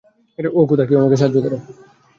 ওহ, খোদা, কেউ আমাকে সাহায্য করো!